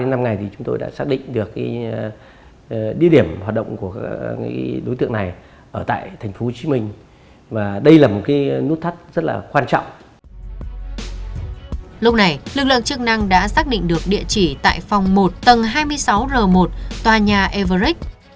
lúc này lực lượng chức năng đã xác định được địa chỉ tại phòng một tầng hai mươi sáu r một tòa nhà everrect